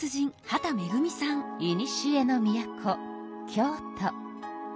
いにしえの都京都。